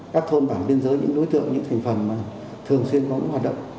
các thôn bản biên giới những đối tượng những thành phần thường xuyên có những hoạt động